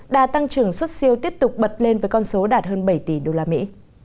đa tăng trưởng xuất siêu tiếp tục bật lên với con số đạt hơn bảy tỷ usd